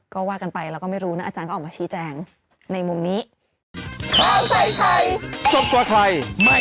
ก็ว่ากันไปเราก็ไม่รู้นะอาจารย์ก็ออกมาชี้แจงในมุมนี้